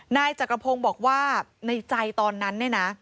นายจักรพงศ์บอกว่าในใจตอนนั้นเนี่ยนะ